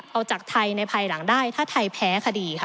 เอาจากไทยในภายหลังได้ถ้าไทยแพ้คดีค่ะ